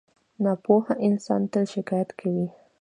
• ناپوهه انسان تل شکایت کوي.